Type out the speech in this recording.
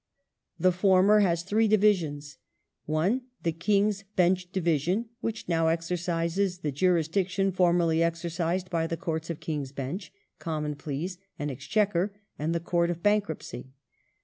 The former has three divisions : (i) The King's Bench Division which now exercises the jurisdiction formerly exercised by the Courts of King's Bench, Common Pleas, and Exchequer, and the Court of Bankruptcy.